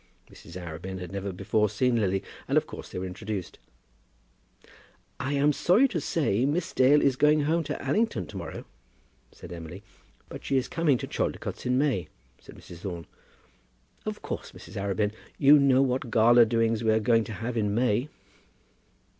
Mrs. Arabin had never before seen Lily, and of course they were introduced. "I am sorry to say Miss Dale is going home to Allington to morrow," said Emily. "But she is coming to Chaldicotes in May," said Mrs. Thorne. "Of course, Mrs. Arabin, you know what gala doings we are going to have in May?"